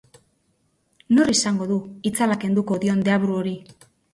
Nor izango du itzala kenduko dion deabru hori?